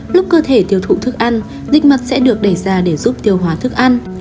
lúc cơ thể tiêu thụ thức ăn dịch mật sẽ được đẩy ra để giúp tiêu hóa thức ăn